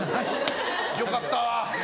よかったわ。